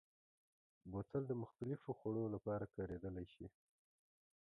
بوتل د مختلفو خوړو لپاره کارېدلی شي.